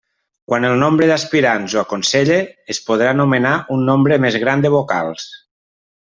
Quan el nombre d'aspirants ho aconselle, es podrà nomenar un nombre més gran de vocals.